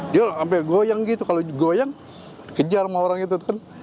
dia sampai goyang gitu kalau goyang kejar sama orang itu kan